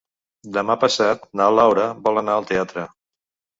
Demà passat na Laura vol anar al teatre.